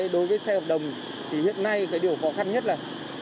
đối với xe hợp đồng thì hiện nay cái điều khó khăn nhất là